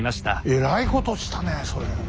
えらいことしたねそれ。